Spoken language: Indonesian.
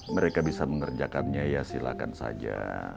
mereka bisa mengerjakannya ya silakan saja